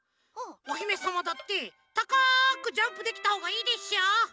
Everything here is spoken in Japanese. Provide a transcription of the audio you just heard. おひめさまだってたかくジャンプできたほうがいいでしょう？